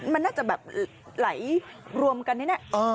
มันน่าจะแบบไหลรวมกันแน่